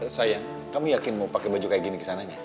sayang kamu yakin mau pakai baju kayak gini kesananya